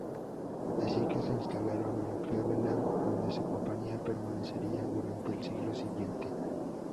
Así que se instalaron en Cleveland, donde su compañía permanecería durante el siglo siguiente.